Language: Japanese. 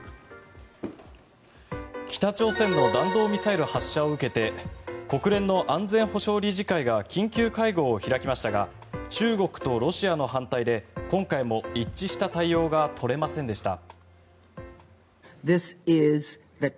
北朝鮮の弾道ミサイル発射を受けて国連の安全保障理事会が緊急会合を開きましたが中国とロシアの反対で今回も一致した対応が取れませんでした。